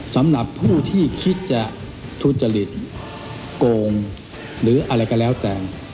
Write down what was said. สำหรับผู้ที่คิดจะทุจริตโกงหรืออะไรก็แล้วแต่